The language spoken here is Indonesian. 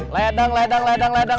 ledang ledang ledang ledang ledang